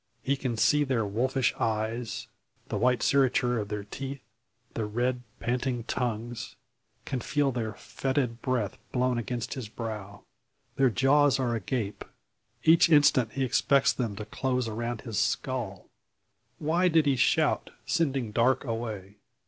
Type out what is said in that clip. He can see their wolfish eyes, the white serrature of their teeth, the red panting tongues; can feel their fetid breath blown against his brow. Their jaws are agape. Each instant he expects them to close around his skull! Why did he shout, sending Darke away?